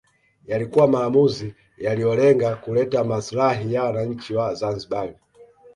Yalikuwa maamuzi yaliyolenga kuleta maslahi ya wananchi wa Zanzibar